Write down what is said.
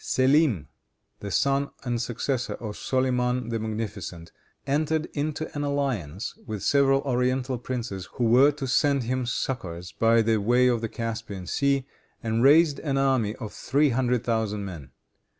Selim, the son and successor of Solyman the Magnificent, entered into an alliance with several oriental princes, who were to send him succors by the way of the Caspian Sea, and raised an army of three hundred thousand men.